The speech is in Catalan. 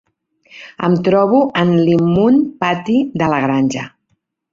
Em trobo en l'immund pati de la granja